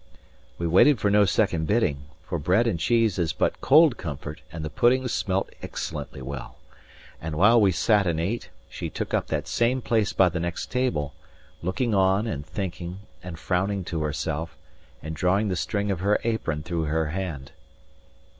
We waited for no second bidding, for bread and cheese is but cold comfort and the puddings smelt excellently well; and while we sat and ate, she took up that same place by the next table, looking on, and thinking, and frowning to herself, and drawing the string of her apron through her hand.